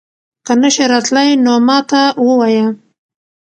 که نه شې راتلی نو ما ته ووايه